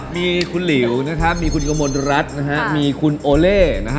มีคุณลิวมีคุณกมตรรัฐมีคุณโอเล่